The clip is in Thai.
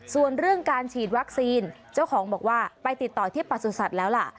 ส่วนเรื่องการฉีดวัคซีนเจ้าของบอกว่าไปติดต่อที่ประสุทธิ์แล้วล่ะ